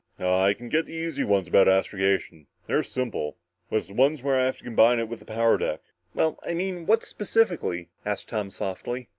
"Ah I can get the easy ones about astrogation. They're simple. But it's the ones where I have to combine it with the power deck." "Well I mean what specifically?" asked Tom softly.